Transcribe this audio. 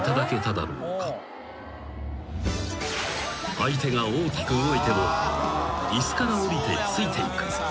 ［相手が大きく動いても椅子からおりてついていく］